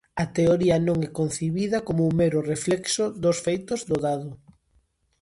A teoría non é concibida como un mero reflexo dos feitos, do dado.